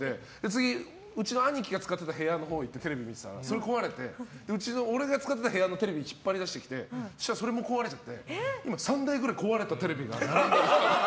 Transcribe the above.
次ぎ、うちの兄貴が使ってた部屋のテレビ見てたらそれが壊れて俺が使っていた部屋のテレビをひっぱり出してきてそしたらそれも壊れちゃって今３台ぐらい壊れたテレビがある。